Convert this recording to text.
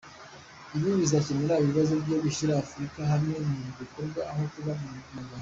Ibi bizakemura ikibazo cyo gushyira Afurika hamwe mu bikorwa aho kuba mu magambo.